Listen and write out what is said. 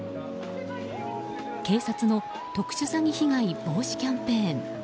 警察の特殊詐欺被害防止キャンペーン。